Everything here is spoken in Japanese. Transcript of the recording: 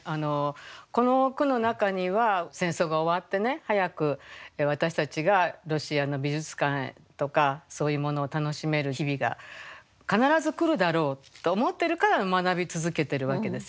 この句の中には戦争が終わってね早く私たちがロシアの美術館へとかそういうものを楽しめる日々が必ず来るだろうと思ってるから学び続けてるわけですよね。